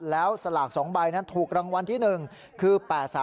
แล้วสลาก๒ใบนั้นถูกรางวัลที่๑คือ๘๓